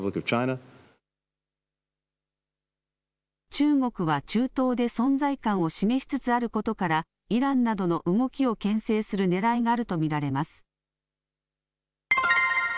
中国は中東で存在感を示しつつあることからイランなどの動きをけん制するねらいがあると見られます。